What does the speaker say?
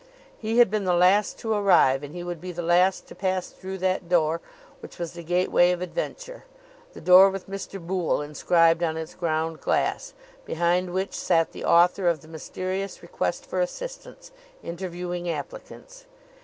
He had been the last to arrive, and he would be the last to pass through that door, which was the gateway of adventure the door with Mr. Boole inscribed on its ground glass, behind which sat the author of the mysterious request for assistance, interviewing applicants.